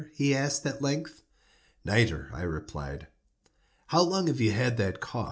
he asked, at length. "Nitre," I replied. "How long have you had that cough?" "Ugh!